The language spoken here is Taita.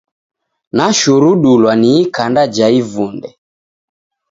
Nashurudulwa ni ikanda ja ivunde.